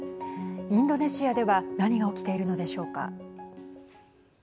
インドネシアでは何が起きているのでしょうか。